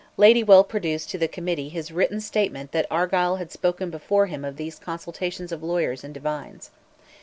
Ladywell produced to the Committee his written statement that Argyll had spoken before him of these consultations of lawyers and divines.